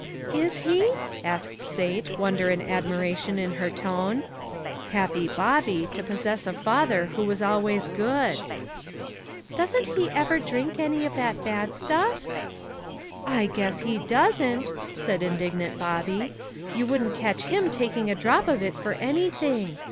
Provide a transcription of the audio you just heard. "Is he?" asked Sate, wonder and admiration in her tone. Happy Bobby, to possess a father who was always good !" Doesn't he ever drink any of that bad stuff ?" "I guess he doesn't!" said indignant Bobby. "You wouldn't catch him taking a drop of it for anything.